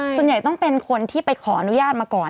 ส่วนใหญ่ต้องเป็นคนที่ไปขออนุญาตมาก่อน